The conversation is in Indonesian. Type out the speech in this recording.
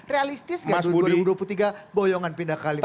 realistis gak tuh dua ribu dua puluh tiga boyongan pindah ke lingkaran